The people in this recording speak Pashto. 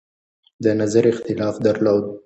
د نظر اختلاف درلود.